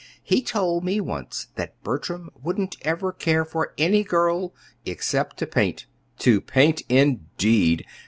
"He told me once that Bertram wouldn't ever care for any girl except to paint. To paint, indeed!